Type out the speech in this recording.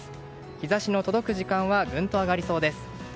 日差しの届く時間はぐんと上がりそうです。